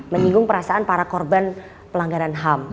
menyinggung perasaan para korban pelanggaran ham